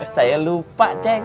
saya lupa ceng